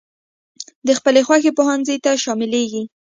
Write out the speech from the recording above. د خپلې خوښي پونځي ته شاملېږي.